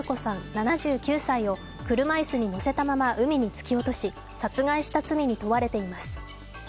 ７９歳を車椅子に乗せたまま、海に突き落とし殺害した罪に問われています。